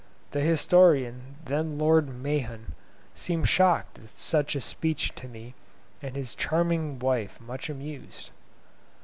The historian, then Lord Mahon, seemed shocked at such a speech to me, and his charming wife much amused.